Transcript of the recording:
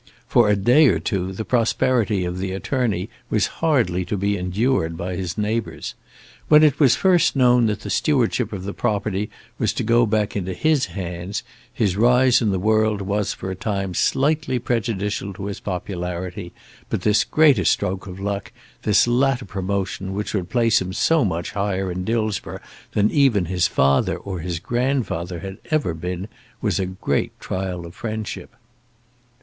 For a day or two the prosperity of the attorney was hardly to be endured by his neighbours. When it was first known that the stewardship of the property was to go back into his hands, his rise in the world was for a time slightly prejudicial to his popularity; but this greater stroke of luck, this latter promotion which would place him so much higher in Dillsborough than even his father or his grandfather had ever been, was a great trial of friendship.